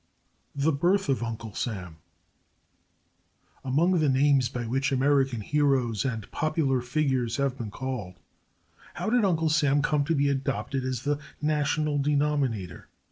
The Birth of Uncle Sam Among the names by which American heroes and popular figures have been called, how did Uncle Sam come to be adopted as the national denominator?